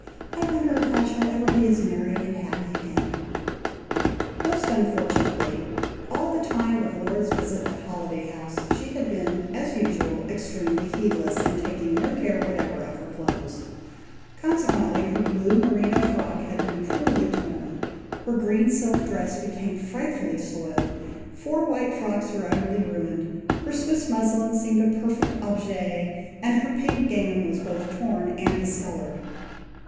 "I wonder if I shall ever be as merry and happy again!" Most unfortunately, all the time of Laura's visit at Holiday House, she had been, as usual, extremely heedless, in taking no care whatever of her clothes; consequently her blue merino frock had been cruelly torn; her green silk dress became frightfully soiled; four white frocks were utterly ruined; her Swiss muslin seemed a perfect object, and her pink gingham was both torn and discoloured.